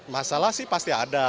masalah sih pasti ada